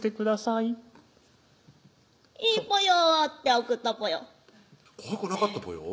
「いいぽよ」って送ったぽよ